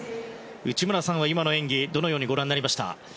内村さんは今の演技どのようにご覧になりました？